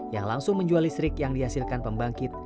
yang langsung menjual listrik yang dihasilkan pembangkit